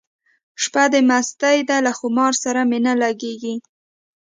شپه د مستۍ ده له خمار سره مي نه لګیږي